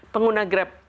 pengguna grab biasa